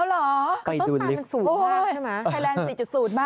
เอาเหรอต้นตาลมันสูงมากใช่ไหมไปดูลิฟต์โอ้โฮ